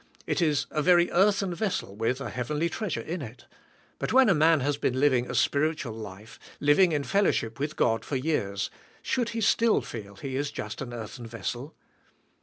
It is a very earthen vessel with a heavenly treasure in it. But when a man has been living a spiritual life, living in fellowship with God for years, should he still feel he is just an earthen vessel?